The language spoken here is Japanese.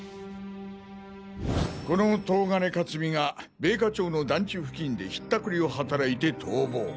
この東金勝美が米花町の団地付近で引ったくりをはたらいて逃亡。